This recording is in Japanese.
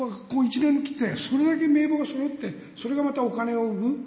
それだけ名簿がそろってそれがまたお金を生む。